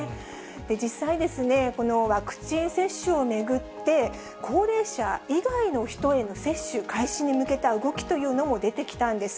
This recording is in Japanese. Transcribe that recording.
実際ですね、このワクチン接種を巡って、高齢者以外の人への接種開始に向けた動きというのも出てきたんです。